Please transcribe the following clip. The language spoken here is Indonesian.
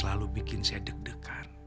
selalu bikin saya deg degan